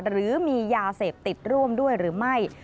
หรือมียาเสพติดร่วมด้วยหรือไม่